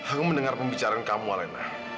aku mendengar pembicaraan kamu alena